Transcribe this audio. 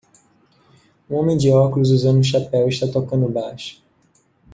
Um homem de óculos usando um chapéu está tocando o baixo.